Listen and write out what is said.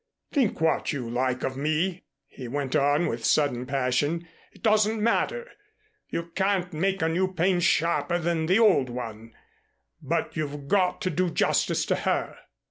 Think what you like of me," he went on with sudden passion. "It doesn't matter. You can't make a new pain sharper than the old one. But you've got to do justice to her."